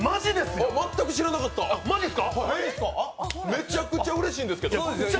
めちゃくちゃうれしいんですけど。